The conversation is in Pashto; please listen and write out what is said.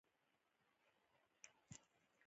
په یو دېرش کال کې اوکتاویان بریالی شو.